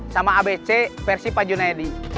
sama abc versi pak junaidi